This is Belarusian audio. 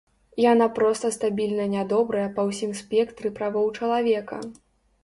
Яна проста стабільна нядобрая па ўсім спектры правоў чалавека.